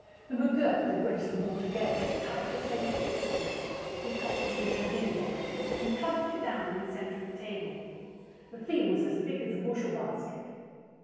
The McGurk had wedged them all together as tight as they would fit into a peacock blue jardiniere, and plumped it down in the center of the table. The thing was as big as a bushel basket.